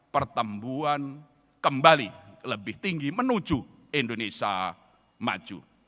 pertumbuhan kembali lebih tinggi menuju indonesia maju